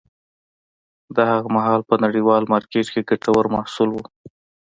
دا هغه مهال په نړیوال مارکېټ کې ګټور محصول و